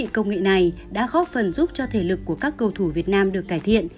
công nghệ này đã góp phần giúp cho thể lực của các cầu thủ việt nam được cải thiện